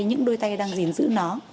những đôi tay đang gìn giữ nó